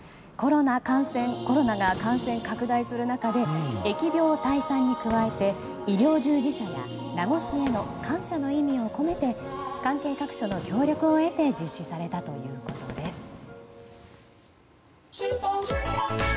コロナが感染拡大する中で疫病退散に加えて医療従事者や名護市への感謝の意味を込めて関係各所の協力を得て実施されたということです。